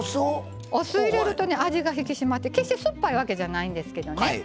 お酢を入れると味が引き締まって決して酸っぱいわけじゃないんですけどね。